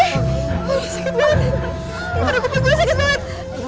di dalam kupon gue sakit banget